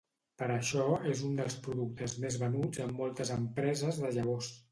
Per això és un dels productes més venuts en moltes empreses de llavors.